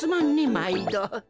まいど。